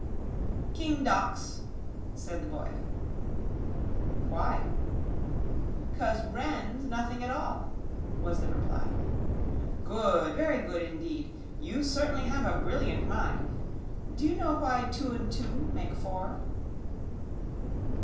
"King Dox," said the boy. "Why?" "'Cause 'ren''s nothing at all," was the reply. "Good! Very good indeed! You certainly have a brilliant mind. Do you know why two and two make four?"